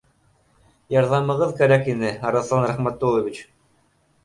— Ярҙамығыҙ кәрәк ине, Арыҫлан Рәхмәтуллович